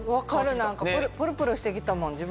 なんかプルプルしてきたもん自分で。